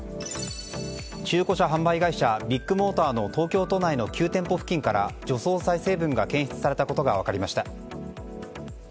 中古車販売会社ビッグモーターの東京都内の９店舗付近から除草剤成分が検出されたことが分かりました。